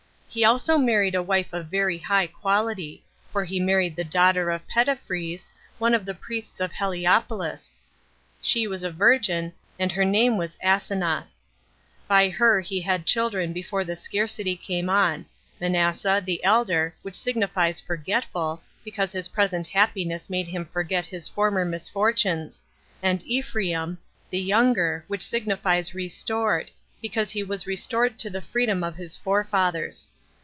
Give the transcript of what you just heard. He also married a wife of very high quality; for he married the daughter of Petephres, 4 one of the priests of Heliopolis; she was a virgin, and her name was Asenath. By her he had children before the scarcity came on; Manasseh, the elder, which signifies forgetful, because his present happiness made him forget his former misfortunes; and Ephraim, the younger, which signifies restored, because he was restored to the freedom of his forefathers.